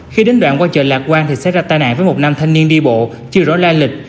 khi đến đoạn qua chợ lạc quan thì xảy ra tai nạn với một nam thanh niên đi bộ chưa rõ la lịch